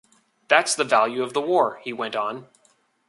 "That's the value of the war," he went on.